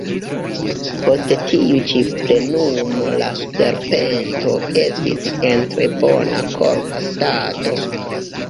Post tiu ĉi plenumo la serpento estis en tre bona korpa stato.